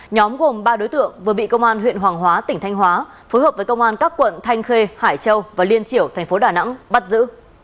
nhóm gồm ba đối tượng vừa bị công an huyện hoàng hóa tỉnh thanh hóa phối hợp với công an các quận thanh khê hải châu và liên triểu thành phố đà nẵng bắt giữ